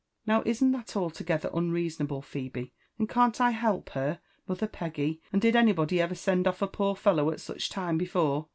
" Now isn't that altogether unreasonable, Phebe? — and can't I help her, mother Peggy? — and did anybody ever send off a poor fellow at such time before?